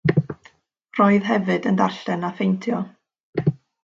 Roedd hefyd yn darllen a pheintio.